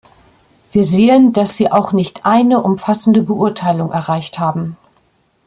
Wir sehen, dass Sie auch nicht eine umfassende Beurteilung erreicht haben.